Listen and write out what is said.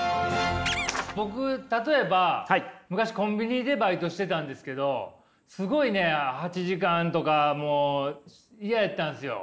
僕例えば昔コンビニでバイトしてたんですけどすごいね８時間とかもう嫌やったんですよ。